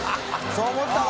そう思ったろ！